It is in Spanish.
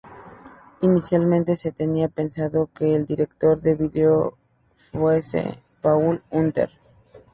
Inicialmente se tenía pensado que el director del vídeo fuese Paul Hunter.